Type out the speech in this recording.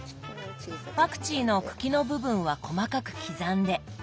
パクチーの茎の部分は細かく刻んで。